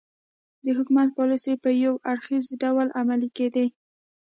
د حکومت پالیسۍ په یو اړخیز ډول عملي کېدې.